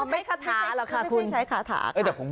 ไม่ใช่ใช้คาถาค่ะ